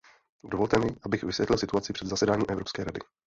Dovolte mi, abych vysvětlil situaci před zasedáním Evropské rady.